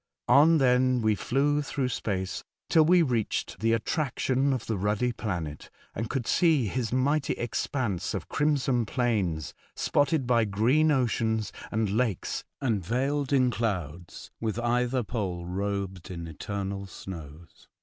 On then we flew through space till we reached the attraction of the ruddy planet, and could see his mighty expanse of crimson plains spotted by green oceans and lakes and veiled in clouds with either pole robed in eternal snows.